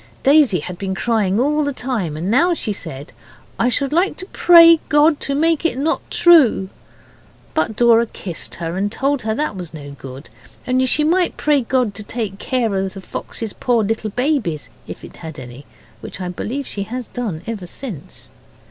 Daisy had been crying all the time, and now she said, 'I should like to pray God to make it not true.' But Dora kissed her, and told her that was no good only she might pray God to take care of the fox's poor little babies, if it had had any, which I believe she has done ever since.